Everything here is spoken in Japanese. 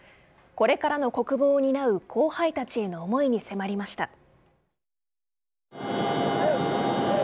これからの国防を担う後輩たちへの思いに迫りました。